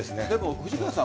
藤川さん